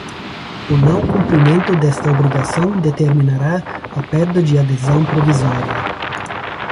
O não cumprimento desta obrigação determinará a perda de adesão provisória.